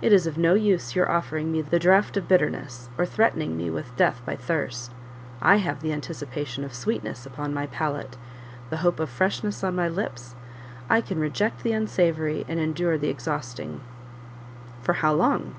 It is of no use your offering me the draught of bitterness, or threatening me with death by thirst: I have the anticipation of sweetness on my palate; the hope of freshness on my lips; I can reject the unsavoury, and endure the exhausting." "For how long?"